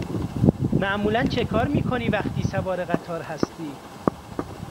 معمولا چکار می کنی وقتی سوار قطار هستی؟